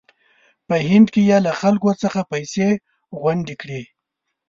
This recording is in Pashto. په هند کې یې له خلکو څخه پیسې غونډې کړې.